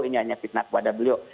ini hanya fitnah kepada beliau